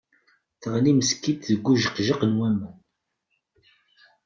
Teɣli meskint deg ujeqjaq n waman.